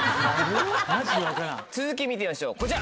続き見てみましょうこちら。